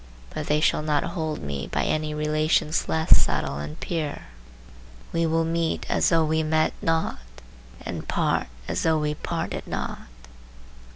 But they shall not hold me by any relations less subtile and pure. We will meet as though we met not, and part as though we parted not.